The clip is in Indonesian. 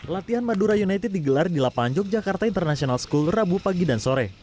latihan madura united digelar di lapangan yogyakarta international school rabu pagi dan sore